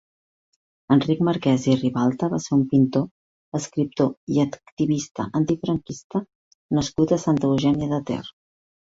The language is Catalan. Enric Marquès i Ribalta va ser un pintor, escriptor i activista antifranquista nascut a Santa Eugènia de Ter.